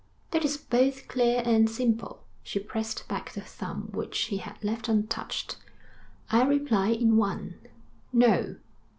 'That is both clear and simple.' She pressed back the thumb which he had left untouched. 'I reply in one: no.'